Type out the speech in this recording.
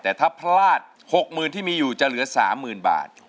แต่ถ้าพลาด๖หมื่นที่มีอยู่จะเหลือ๓หมื่นบาท